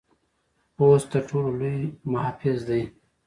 پوست تر ټر ټولو لوی محافظ دی.